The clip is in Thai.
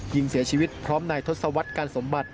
ยิงเสียชีวิตพร้อมนายทศวรรษการสมบัติ